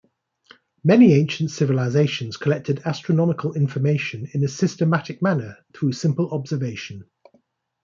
Many ancient civilizations collected astronomical information in a systematic manner through simple observation.